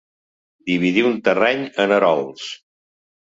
Dividir un terreny en erols.